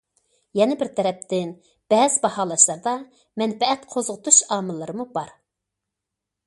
يەنە بىر تەرەپتىن، بەزى باھالاشلاردا مەنپەئەت قوزغىتىش ئامىللىرىمۇ بار.